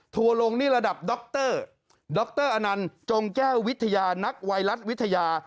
ลงนี่ระดับดรดรอนันต์จงแก้ววิทยานักไวรัสวิทยา